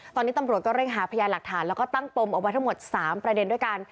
ตอนนี้ตำรวจก็เร่งหาพยานหลักฐานแล้วก็ตั้งปมเอาไว้ทั้งหมด๓ประเด็นด้วยกัน